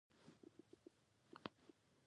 او د جومات شاوخواته درېدلي وو.